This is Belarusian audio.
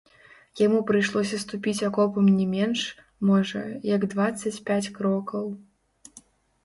Яму прыйшлося ступіць акопам не менш, можа, як дваццаць пяць крокаў.